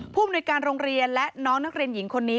ผู้อำนวยการโรงเรียนและน้องนักเรียนหญิงคนนี้